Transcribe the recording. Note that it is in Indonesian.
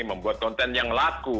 membuat konten yang laku